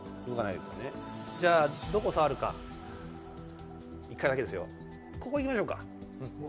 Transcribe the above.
じゃあどこ触るか、１回だけですよ、ここいきましょうか。